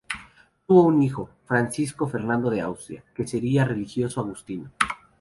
Tuvo un hijo, Francisco Fernando de Austria que seria religioso agustino.